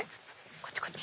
こっちこっち。